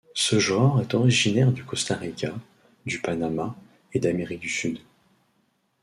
Ce genre est originaire du Costa Rica, du Panama et d'Amérique du Sud.